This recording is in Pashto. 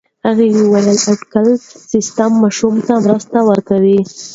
هغې وايي اټکلي سیستم ماشومانو ته مرسته ورکوي.